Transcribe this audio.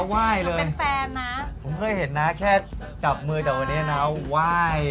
ผมก็เคยเห็นหน้าแค่จับมือแต่วันนี้หน้าไหว้